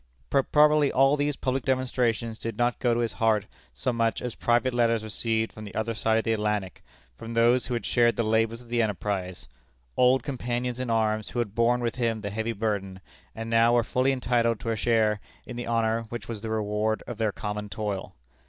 But probably all these public demonstrations did not go to his heart so much as private letters received from the other side of the Atlantic, from those who had shared the labors of the enterprise old companions in arms who had borne with him the heavy burden, and now were fully entitled to a share in the honor which was the reward of their common toil.